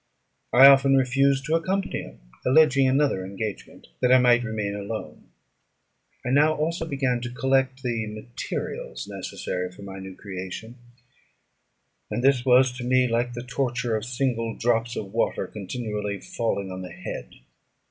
I often refused to accompany him, alleging another engagement, that I might remain alone. I now also began to collect the materials necessary for my new creation, and this was to me like the torture of single drops of water continually falling on the head.